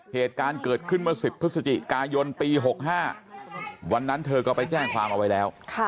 เหตุการณ์เกิดขึ้นเมื่อ๑๐พฤศจิกายนปี๖๕วันนั้นเธอก็ไปแจ้งความเอาไว้แล้ว